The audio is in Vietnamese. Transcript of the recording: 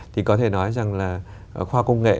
thì có thể nói rằng là khoa công nghệ